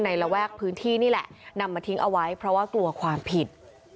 ระแวกพื้นที่นี่แหละนำมาทิ้งเอาไว้เพราะว่ากลัวความผิด